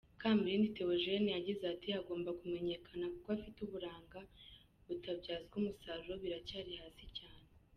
Kamirindi Théogène yagize ati “Hagomba kumenyekana kuko hafite uburanga butabyazwa umusaruro, biracyari hasi cyane.